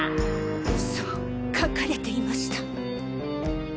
そう書かれていました。